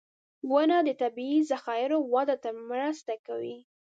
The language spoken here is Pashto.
• ونه د طبعي ذخایرو وده ته مرسته کوي.